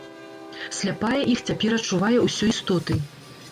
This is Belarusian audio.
Сляпая іх цяпер адчувае ўсёй істотай.